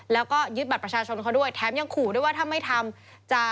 แล้วก็ยึดบัตรประชาชนเขาด้วยแถมยังขู่ด้วยว่าถ้าไม่ทำ